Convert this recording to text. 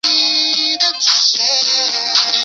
长子达尔玛咱第袭职爵。